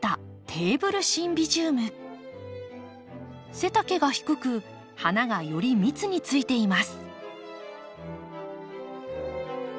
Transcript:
背丈が低く花がより密についています。